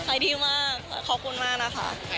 ขายดีมากขอบคุณมากน่ะค่ะ